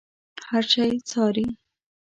هر شی څاري.